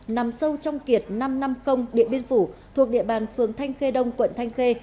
nằm sâu trong kiệt năm trăm năm mươi địa biên phủ thuộc địa bàn phường thanh khê đông quận thanh khê